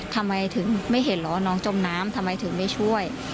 ทำไมถึงไม่เห็นเหรอว่าน้องจมน้ำทำไมถึงไม่ช่วย